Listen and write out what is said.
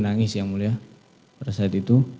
nangis yang mulia pada saat itu